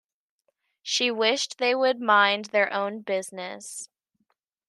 She wished they would mind their own business.